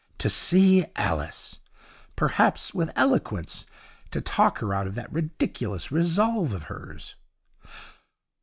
To see Alice! Perhaps, with eloquence, to talk her out of that ridiculous resolve of hers!